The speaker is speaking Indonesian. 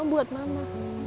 semua buat mama